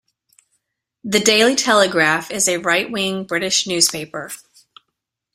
The Daily Telegraph is a right-wing British newspaper.